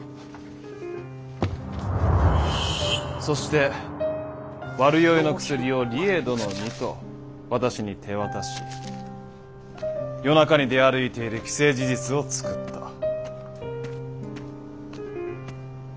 そして悪酔いの薬を梨江殿にと私に手渡し夜中に出歩いている既成事実を作った。